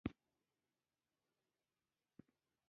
زردالو د افغانستان د اجتماعي جوړښت یوه برخه ده.